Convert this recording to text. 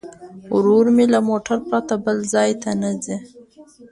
ورور مې له موټر پرته بل ځای ته نه ځي.